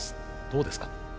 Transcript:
どうですか？